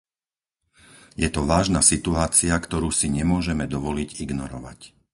Je to vážna situácia, ktorú si nemôžeme dovoliť ignorovať.